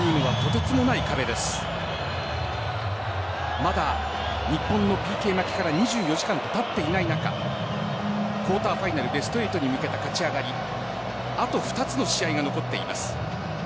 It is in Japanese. まだ日本のＰＫ負けから２４時間たっていない中クォーターファイナルベスト８にかけた勝ち上がりあと２つの試合が残っています。